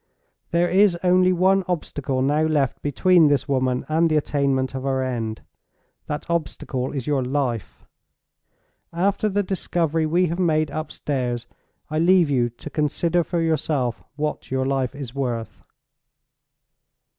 "There is only one obstacle now left between this woman and the attainment of her end. That obstacle is your life. After the discovery we have made upstairs, I leave you to consider for yourself what your life is worth."